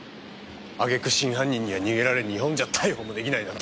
揚げ句真犯人には逃げられ日本じゃ逮捕も出来ないなんて。